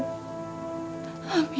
dan hanya padamu ambem mohon